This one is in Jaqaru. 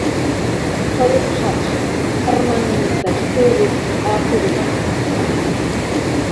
"Qullq armantach turas apir makt""a "